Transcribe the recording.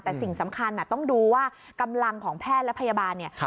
แต่สิ่งสำคัญต้องดูว่ากำลังของแพทย์และพยาบาลเนี่ย